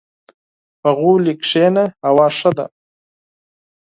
• په غولي کښېنه، هوا ښه ده.